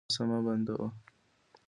هڅه مه بندوه.